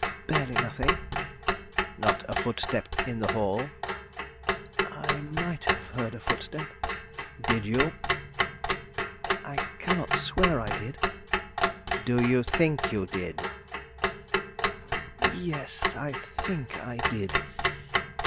"Barely nothing." "Not a footstep in the hall?" "I might have heard a footstep." "Did you?" "I cannot swear I did." "Do you think you did?" "Yes, I think I did.